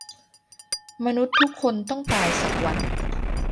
"มนุษย์ทุกคนต้องตายสักวัน"